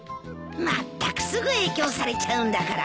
まったくすぐ影響されちゃうんだから。